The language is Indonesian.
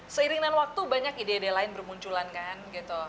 seiring dengan waktu banyak ide ide lain bermunculan kan gitu